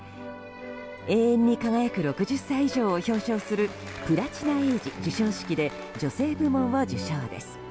永遠に輝く６０歳以上を表彰するプラチナエイジ授賞式で女性部門を受賞です。